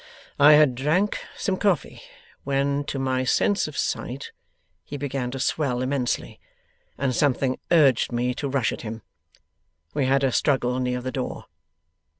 'I had drank some coffee, when to my sense of sight he began to swell immensely, and something urged me to rush at him. We had a struggle near the door.